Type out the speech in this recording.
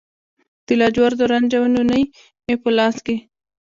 د لاجوردو رنجه نوني مې په لاس کې